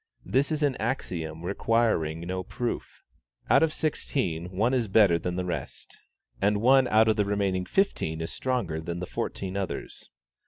This is an axiom requiring no proof. Out of sixteen, one is better than the rest, and one out of the remaining fifteen is stronger than the fourteen others.